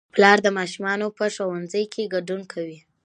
پلار د ماشومانو په ښوونځي کې ګډون کوي